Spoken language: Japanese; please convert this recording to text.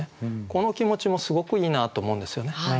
この気持ちもすごくいいなと思うんですよね。